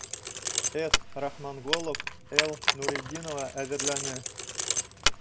С. РАХМАНҒОЛОВ, Л. НУРЕТДИНОВА әҙерләне.